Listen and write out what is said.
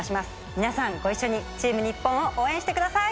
皆さんご一緒にチーム日本を応援してください！